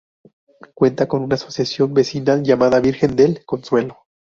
Cuenta con una asociación vecinal, llamada Virgen del Consuelo.